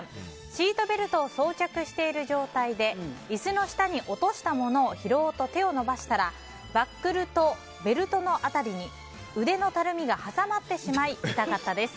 シートベルトを装着している状態で椅子の下に落としたものを拾おうと手を伸ばしたらバックルとベルトの辺りに腕のたるみが挟まってしまい痛かったです。